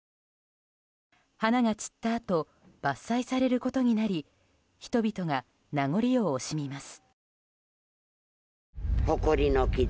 花が散ったあと伐採されることになり人々が名残を惜しみます。